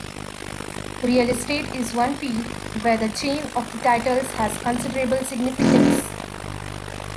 Real estate is one field where the chain of title has considerable significance.